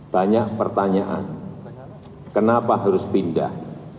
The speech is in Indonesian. banyak pertanyaan kenapa harus pindah